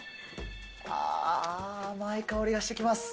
ああ、甘い香りがしてきます。